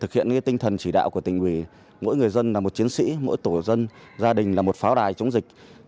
thực hiện tinh thần chỉ đạo của tỉnh ủy mỗi người dân là một chiến sĩ mỗi tổ dân gia đình là một pháo đài chống dịch